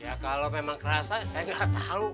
ya kalau memang kerasa saya gak tau